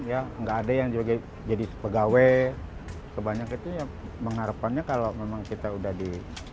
jadi sebagai jadi pegawai sebanyak itu ya mengharapannya kalau memang kita sudah di